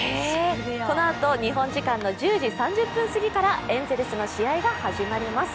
このあと日本時間の１０時３０分過ぎからエンゼルスの試合が始まります。